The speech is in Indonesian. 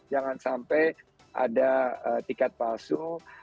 jangan sampai ada tiket palsu